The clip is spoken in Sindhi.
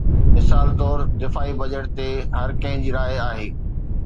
مثال طور، دفاعي بجيٽ تي هر ڪنهن جي راءِ آهي.